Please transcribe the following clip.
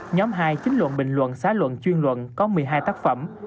nhóm hai chính luận bình luận xã luận chuyên luận có một mươi hai tác phẩm